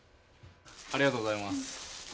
ありがとうございます。